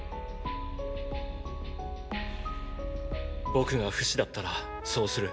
僕がフシだったらそうする。